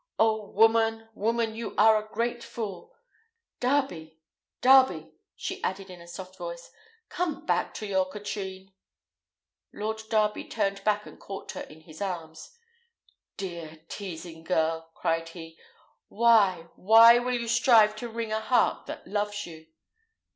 "Oh woman! woman! you are a great fool! Darby! Darby!" she added in a soft voice, "come back to your Katrine." Lord Darby turned back and caught her in his arms. "Dear teasing girl!" cried he; "why, why will you strive to wring a heart that loves you?"